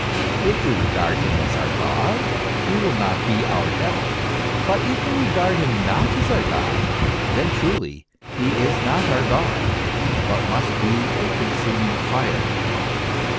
If we regard him as our God, He will not be our devil. But if we regard him not as our God, then truly he is not our God, but must be a consuming fire."